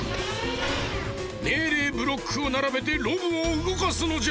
めいれいブロックをならべてロボをうごかすのじゃ！